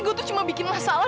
gue tuh cuma bikin masalah